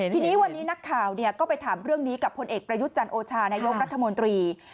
ทีนี้วันนี้นักข่าวก็ไปถามอันดับนี้กับผลเอกประยุชน์จันทร์โอชารัทธิ์ในยกรัฐมนตรี